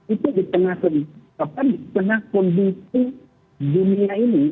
itu di tengah kondisi dunia ini